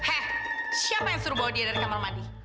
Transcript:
hei siapa yang suruh bawa dia dari kamar mandi